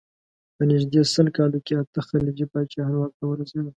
په نژدې سل کالو کې اته خلجي پاچاهان واک ته ورسېدل.